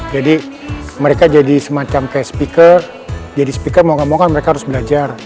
jadi mereka jadi semacam speaker jadi speaker mau gak mereka harus belajar